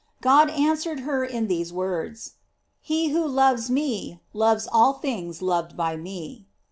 God answered her in these words: "He who loves me, loves all things loved by me."